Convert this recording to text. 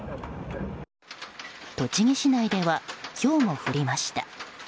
栃木市内ではひょうも降りました。